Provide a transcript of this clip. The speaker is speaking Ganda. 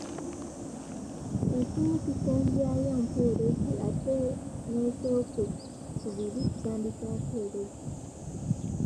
Ekimu kisembyayo mpeerezi nga ate n’ekyokubiri kitandisa mpeerezi.